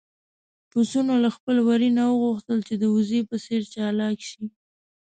پسونو له خپل وري نه وغوښتل چې د وزې په څېر چالاک شي.